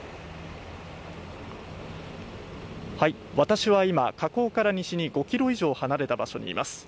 私は今、火口から西に５ｋｍ以上離れたところにいます。